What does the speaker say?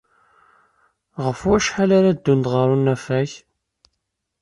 Ɣef wacḥal ara ddunt ɣer unafag?